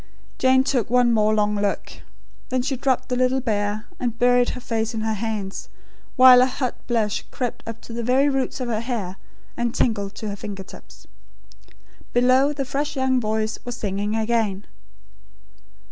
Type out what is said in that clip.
Jane took one more long look. Then she dropped the little bear, and buried her face in her hands; while a hot blush crept up to the very roots of her hair, and tingled to her finger tips. Below, the fresh young voice was singing again.